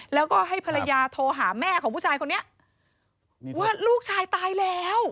แล้วก็ให้ภรรยาโทรหาแม่ของผู้ชายคนนี้ว่าลูกชายตายแล้ว